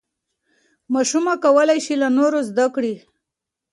ماشومه کولی شي له نورو زده کړي.